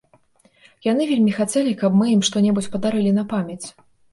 Яны вельмі хацелі, каб мы ім што-небудзь падарылі на памяць!